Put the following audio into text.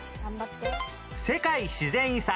世界自然遺産